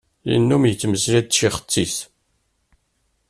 Yennum yettmeslay d tcixet-is.